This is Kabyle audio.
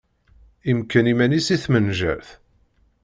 Imekken iman-is i tmenjeṛt.